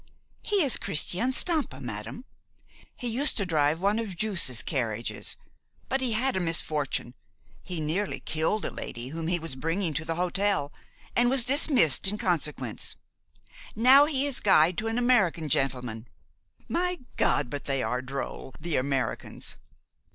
He is Christian Stampa, madam. He used to drive one of Joos's carriages; but he had a misfortune. He nearly killed a lady whom he was bringing to the hotel, and was dismissed in consequence. Now he is guide to an American gentleman. My God! but they are droll, the Americans!"